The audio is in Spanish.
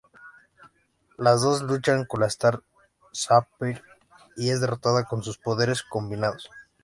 Las dos luchan con la Star Sapphire y es derrotada con sus poderes combinados.